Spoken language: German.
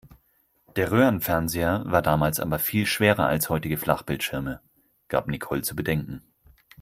"Der Röhrenfernseher war damals aber viel schwerer als heutige Flachbildschirme", gab Nicole zu bedenken.